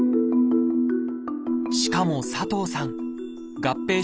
しかも佐藤さん